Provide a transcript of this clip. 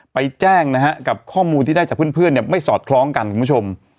แจ้งนะฮะกับข้อมูลที่ได้จากเพื่อนเนี่ยไม่สอดคล้องกันคุณผู้ชม